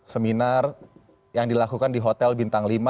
seminar yang dilakukan di hotel bintang lima